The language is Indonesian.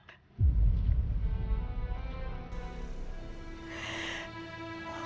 aku udah bohongin orang